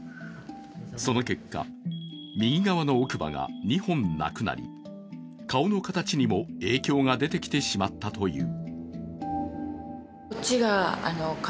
その結果、右側の奥歯が２本なくなり、顔の形にも影響が出てきてしまったという。